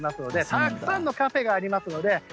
たくさんのカフェがあります。